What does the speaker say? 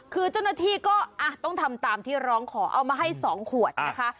คือเจ้าหน้าที่ก็ต้องทำตามที่ร้องขอเอามาให้๒ขวดนะคะ